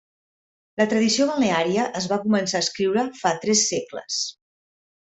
La tradició balneària es va començar a escriure fa tres segles.